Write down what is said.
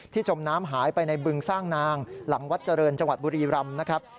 จมน้ำหายไปในบึงสร้างนางหลังวัดเจริญจังหวัดบุรีรำนะครับ